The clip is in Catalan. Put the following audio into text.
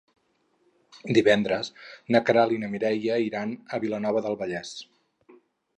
Divendres na Queralt i na Mireia iran a Vilanova del Vallès.